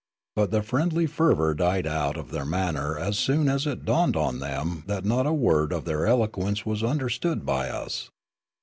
But the friendly fervour died out of their manner as soon as it dawned on them that not a word of their eloquence was under stood by us.